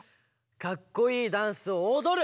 かっこいいダンスをおどる！